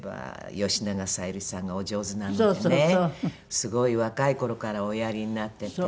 すごい若い頃からおやりになってて。